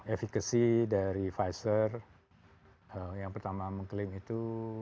efekasi dari pfizer yang pertama mengklaim itu